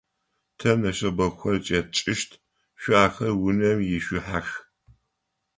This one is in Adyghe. Тэ нэшэбэгухэр кӏэтчыщт, шъо ахэр унэм ишъухьэх.